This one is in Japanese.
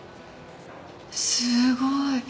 すごい。